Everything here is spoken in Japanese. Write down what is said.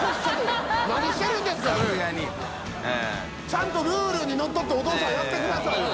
ちゃんとルールにのっとってお父さんやってくれはったよ。